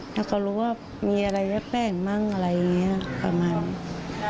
ถ้าเขารู้ว่ามีอะไรแวะแป้งมั่งอะไรอย่างนี้ประมาณนี้